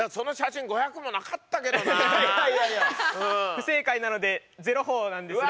不正解なので０ほぉなんですね。